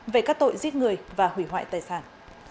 về các tội giết người và hủy hoại tài sản